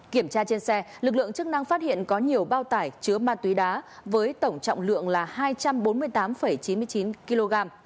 kiểm tra trên xe lực lượng chức năng phát hiện có nhiều bao tải chứa ma túy đá với tổng trọng lượng là hai trăm bốn mươi tám chín mươi chín kg